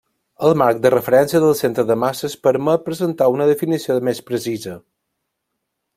El marc de referència del centre de masses permet presentar una definició més precisa.